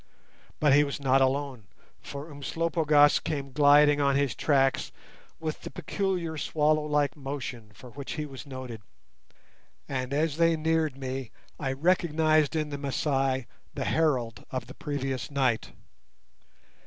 But he was not alone, for Umslopogaas came gliding on his tracks with the peculiar swallow like motion for which he was noted, and as they neared me I recognized in the Masai the herald of the previous night.